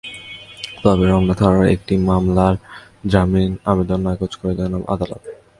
তবে রমনা থানার একটি মামলায় জামিন আবেদন নাকচ করে দেন আদালত।